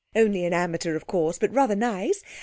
Only an amateur, of course; but rather nice.